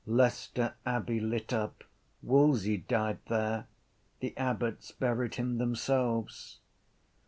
Leicester Abbey lit up. Wolsey died there. The abbots buried him themselves.